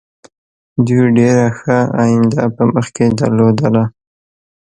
دوی ډېره ښه آینده په مخکې درلودله.